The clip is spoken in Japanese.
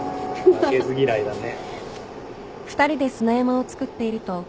負けず嫌いだね。